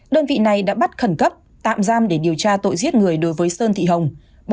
đơn vị này đã bắt khẩn cấp tạm giam để điều tra tội giết người đối với sơn thị hồng